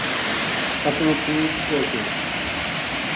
اپنو پوت کوہ چھُڑیو